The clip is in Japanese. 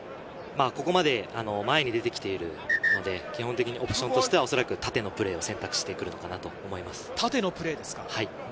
ここまで前に出てきているので、基本的にオプションとしては、おそらく縦のプレーを選択してくるのかなと思います。